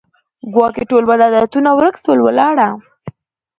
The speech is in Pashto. ګواکي ټول بد عادتونه ورک سول ولاړه